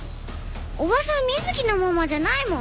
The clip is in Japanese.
おばさん美月のママじゃないもん。